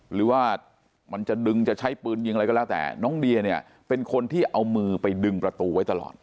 หรือว่ามันจะดึงจะใช้ปืนยิงอะไรก็แล้วแต่น้องเดียเนี่ยเป็นคนที่เอามือไปดึงประตูไว้ตลอด